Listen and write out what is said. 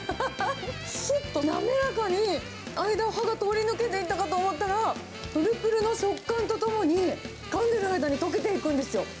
すっと滑らかに、間を歯が通り抜けていったと思ったら、ぷるぷるの食感とともに、かんでいる間に溶けていくんですよ。